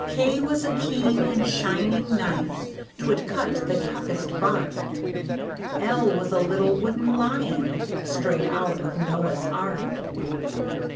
K was a keen and shining Knife, 'twould cut the toughest bark; L was a little wooden Lion, strayed out of Noah's Ark.